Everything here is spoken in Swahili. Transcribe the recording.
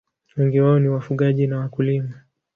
Wengi wao ni wafugaji na wakulima.